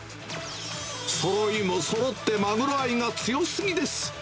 そろいもそろって、マグロ愛が強すぎです。